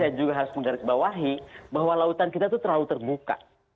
saya juga harus menggarisbawahi bahwa lautan kita itu terlalu terbuka